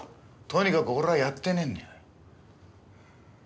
とにかく俺はやってねえんだよ。